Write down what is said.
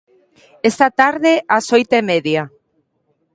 Esta tarde, ás oito e media.